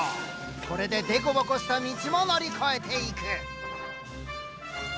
これで凸凹した道も乗り越えていく。